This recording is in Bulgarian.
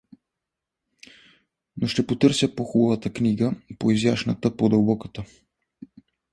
Но ще потърси по-хубавата книга, по-изящната, по-дълбоката.